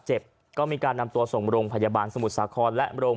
ก็มีการนำตัวส่งโรงพยาบาลสมุทรสาครและโรง